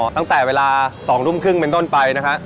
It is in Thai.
ตั้งแต่เวลา๒ทุ่มครึ่งเป็นต้นไปนะฮะ